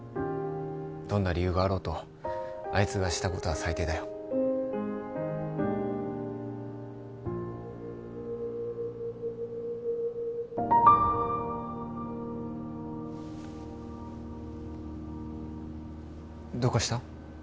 どんな理由があろうとあいつがしたことは最低だよどうかした？